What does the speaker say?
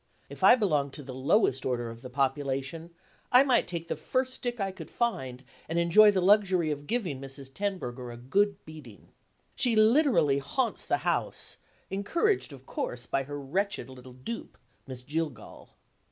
If I belonged to the lowest order of the population, I might take the first stick I could find, and enjoy the luxury of giving Mrs. Tenbruggen a good beating. She literally haunts the house, encouraged, of course, by her wretched little dupe, Miss Jillgall.